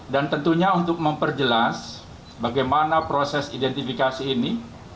dan tentunya untuk memperjelas bagaimana proses identifikasi ini